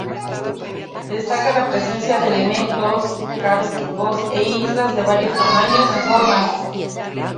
Destaca la presencia de elementos kársticos e islas de varios tamaños y formas.